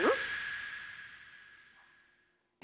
え？